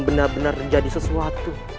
benar benar menjadi sesuatu